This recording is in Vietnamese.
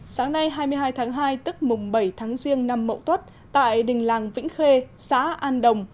sáng nay hai mươi hai tháng hai tức mùng bảy tháng riêng năm mậu tuất tại đình làng vĩnh khê xã an đồng